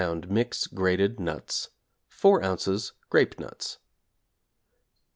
mixed grated nuts. 4 ozs. 'Grape Nuts.'